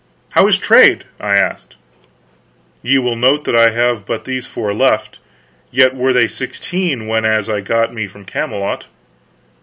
"How is trade?" I asked. "Ye will note that I have but these four left; yet were they sixteen whenas I got me from Camelot."